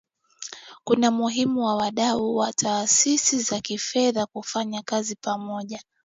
kuna umuhimu wa wadau wa taasisi za kifedha kufanya kazi pamoja